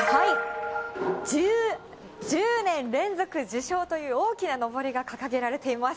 １０年連続受賞という大きなのぼりが掲げられています。